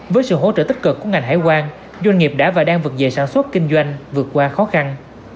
với sự hỗ trợ tích cực của ngành hải quan doanh nghiệp đã và đang vực dậy sản xuất kinh doanh vượt qua khó khăn